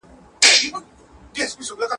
پټه خوله یمه له ویري چا ته ږغ کولای نه سم.